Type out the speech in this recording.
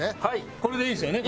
これでいいんですよね？